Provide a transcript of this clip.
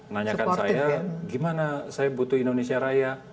nanyakan saya gimana saya butuh indonesia raya